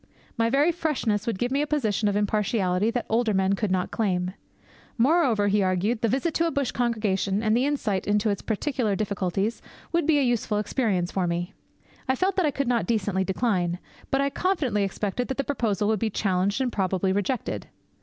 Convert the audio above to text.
My very freshness would give me a position of impartiality that older men could not claim. Moreover, he argued, the visit to a bush congregation, and the insight into its peculiar difficulties, would be a useful experience for me. I felt that I could not decently decline; but I confidently expected that the proposal would be challenged and probably rejected.